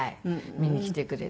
見にきてくれて。